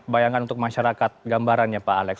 bayangkan untuk masyarakat gambarannya pak alex